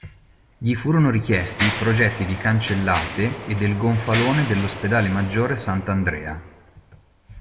Gli furono richiesti progetti di cancellate e del gonfalone dell'Ospedale Maggiore S. Andrea.